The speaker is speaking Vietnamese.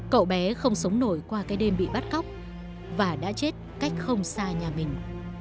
cậu bé không sống nổi qua cái đêm bị bắt cóc và đã chết cách không xa nhà mình